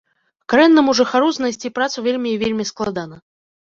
Карэннаму жыхару знайсці працу вельмі і вельмі складана.